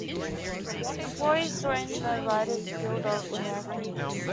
Employees joined the Writers Guild of America, East.